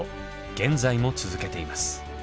現在も続けています。